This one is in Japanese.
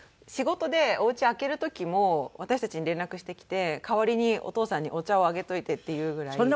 仕事でおうち空ける時も私たちに連絡してきて「代わりにお父さんにお茶をあげといて」って言うぐらい。